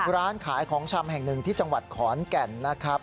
ร้านขายของชำแห่งหนึ่งที่จังหวัดขอนแก่นนะครับ